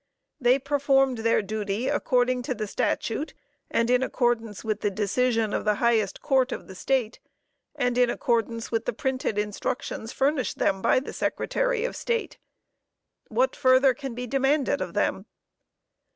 They performed their duty according to the statute and in accordance with the decision of the highest court of the State, and in accordance with the printed instructions furnished them by the Secretary of State. What further can be demanded of them?